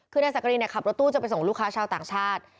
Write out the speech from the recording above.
คือนายสักกรินขับรถตู้จะไปส่งลูกค้าชาวต่างชาติ